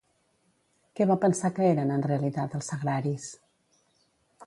Què va pensar que eren en realitat els sagraris?